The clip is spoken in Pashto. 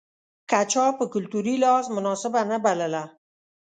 که چا په کلتوري لحاظ مناسبه نه بلله.